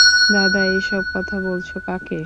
দাদা, এ-সব কথা বলছ কাকে?